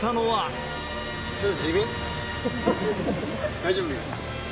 大丈夫？